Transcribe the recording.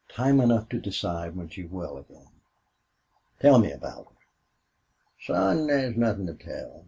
"Time enough to decide when she is well again.... Tell me about her." "Son, thar's nuthin' to tell.